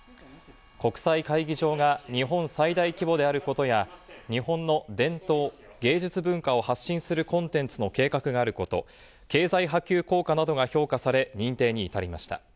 国際会議場が日本最大規模であることや、日本の伝統・芸術文化を発信するコンテンツの計画があること、経済波及効果などが評価され、認定に至りました。